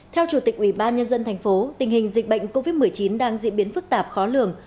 theo chủ tịch ubnd tp tình hình dịch bệnh covid một mươi chín đang diễn biến phức tạp khó lọc